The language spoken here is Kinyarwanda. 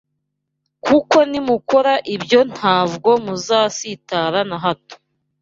kuko nimukora ibyo ntabwo muzasitara na hato